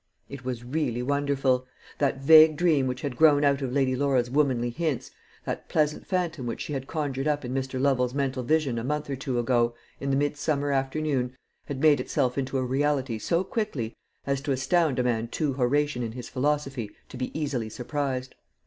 It was really wonderful. That vague dream which had grown out of Lady Laura's womanly hints, that pleasant phantom which she had conjured up in Mr. Lovel's mental vision a month or two ago, in the midsummer afternoon, had made itself into a reality so quickly as to astound a man too Horatian in his philosophy to be easily surprised.